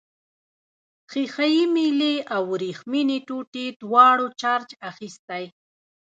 ښيښه یي میلې او وریښمينې ټوټې دواړو چارج اخیستی.